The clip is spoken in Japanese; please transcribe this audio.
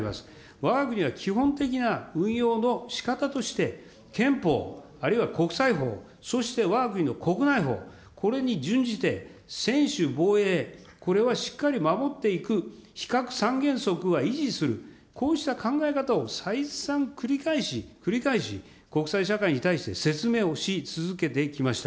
わが国は基本的な運用のしかたとして、憲法、あるいは国際法、そしてわが国の国内法、これに準じて専守防衛、これはしっかり守っていく、非核三原則は維持する、こうした考え方を再三繰り返し、繰り返し、国際社会に対して説明をし続けてきました。